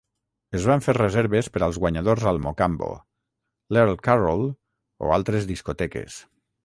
Es van fer reserves per als guanyadors al Mocambo, l'Earl Carroll o altres discoteques.